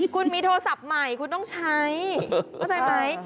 คุณมีโทรศัพท์ใหม่คุณต้องใช้เข้าใจไหม